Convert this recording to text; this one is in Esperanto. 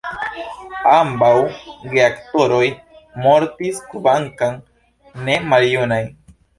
Ambaŭ geaktoroj mortis kvankam ne maljunaj.